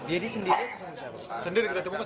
jadi sendiri atau sama siapa